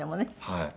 はい。